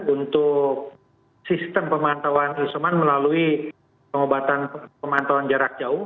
untuk sistem pemantauan isoman melalui pengobatan pemantauan jarak jauh